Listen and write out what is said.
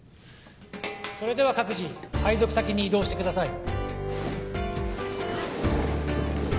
それでは各自配属先に移動してください。